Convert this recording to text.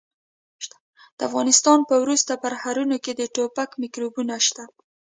د افغانستان په ورستو پرهرونو کې د ټوپک میکروبونه شته.